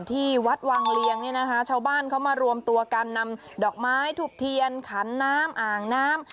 ที่วัดวังเลียงเนี่ยนะคะชาวบ้านเขามารวมตัวการนำดอกไม้ทุบเทียนขันน้ำอ่างน้ำ